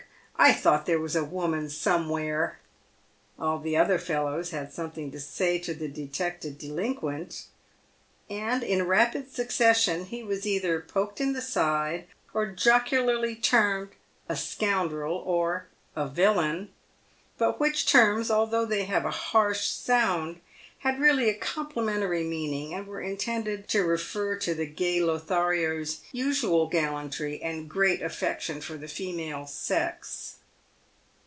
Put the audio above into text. I thought there was a woman somewhere!" All the other fellows had something to say to the detected delinquent, and in rapid succession he was either poked in the side, or jocularly termed " a scoundrel" or a " villain," but which terms, although they have a harsh sound, had really a complimentary meaning, and were intended to refer to the gay Lothario's usual gallantry and great affection for the female sex.